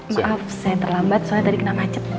maaf saya terlambat soalnya tadi kena macet